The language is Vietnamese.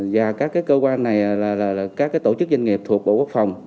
và các cái cơ quan này là các cái tổ chức doanh nghiệp thuộc bộ quốc phòng